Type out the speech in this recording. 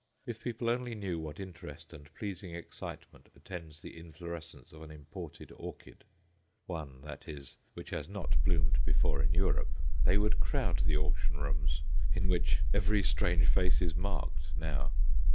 If people only knew what interest and pleasing excitement attends the inflorescence of an imported orchid one, that is, which has not bloomed before in Europe they would crowd the auction rooms in which every strange face is marked now.